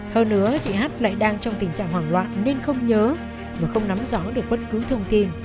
hơn nữa chị h lại đang trong tình trạng hoảng loạn nên không nhớ và không nắm rõ được bất cứ thông tin